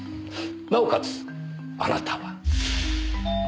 なおかつあなたは。